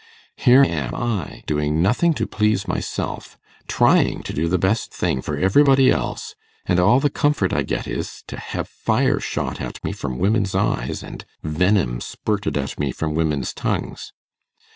Here am I, doing nothing to please myself, trying to do the best thing for everybody else, and all the comfort I get is to have fire shot at me from women's eyes, and venom spirted at me from women's tongues.